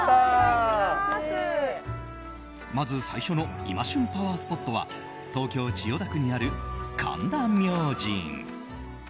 まず最初の今旬パワースポットは東京・千代田区にある神田明神。